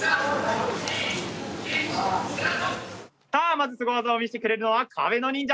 まずスゴ技を見せてくれるのは壁の忍者カーチス。